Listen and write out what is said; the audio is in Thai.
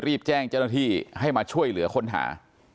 รีบแจ้งเจ้าหน้าที่ให้มาช่วยเหลือค้นหา